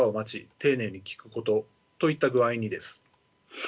丁寧に聞くことといった具合にです。